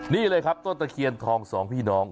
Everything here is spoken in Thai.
นี่เลยครับต้นตะเคียนทองสองพี่น้อง